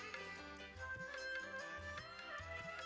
aku mau ke rumah